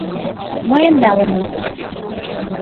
Мыйым налыныс.